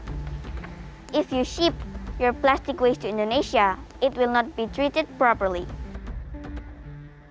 jika anda menggabungkan plastik darah anda ke indonesia itu tidak akan diperlukan dengan tepat